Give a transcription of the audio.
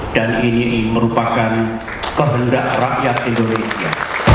ini merupakan kehendak rakyat indonesia